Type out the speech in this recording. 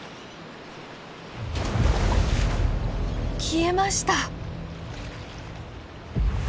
消えました。